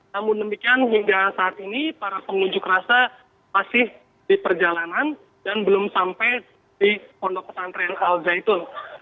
namun demikian hingga saat ini para pengunjuk rasa masih di perjalanan dan belum sampai di pondok pesantren al zaitun